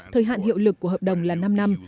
thời hạn hiệu lực của hợp đồng là năm năm